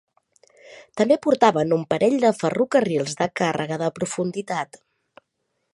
També portaven un parell de ferrocarrils de càrrega de profunditat.